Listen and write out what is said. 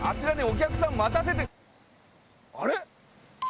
あれ？